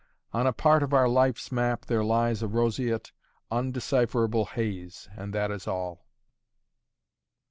On a part of our life's map there lies a roseate, undecipherable haze, and that is all.